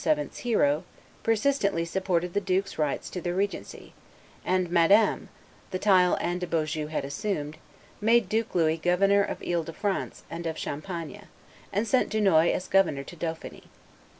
's hero, persistently supported the duke's rights to the regency; and Madame (the title Anne de Beaujeu had assumed) made Duke Louis governor of Ile de France and of Champagne, and sent Dunois as governor to Dauphiny.